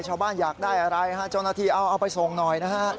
ชาวบ้านอยากได้อะไรเจ้านาทีเอาเอาไปทรงหน่อยนะฮะ